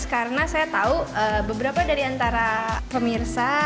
karena saya tahu beberapa dari antara pemirsa